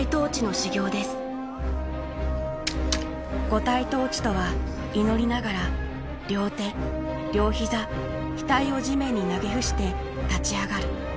五体投地とは祈りながら両手両膝額を地面に投げ伏して立ち上がる。